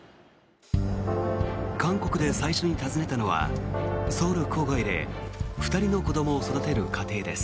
韓国で最初に訪ねたのはソウル郊外で２人の子どもを育てる家庭です。